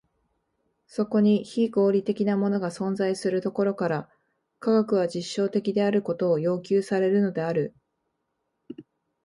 そこに非合理的なものが存在するところから、科学は実証的であることを要求されるのである。